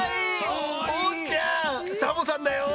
おうちゃんサボさんだよ。